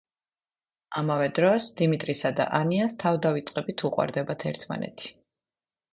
ამავე დროს დიმიტრისა და ანიას თავდავიწყებით უყვარდებათ ერთმანეთი.